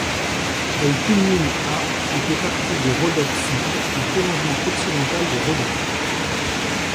Elle culmine à et fait partie des Rhodopes serbes, un prolongement occidental des Rhodopes.